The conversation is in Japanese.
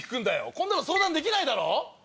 こんなの相談できないだろ！